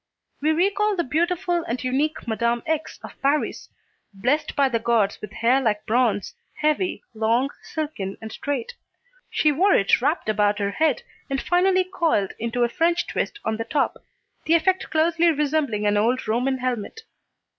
We recall the beautiful and unique Madame X. of Paris, blessed by the gods with hair like bronze, heavy, long, silken and straight. She wore it wrapped about her head and finally coiled into a French twist on the top, the effect closely resembling an old Roman helmet.